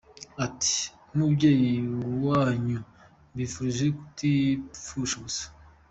Ati "Nk’umubyeyi wanyu, mbifurije kutipfusha ubusa.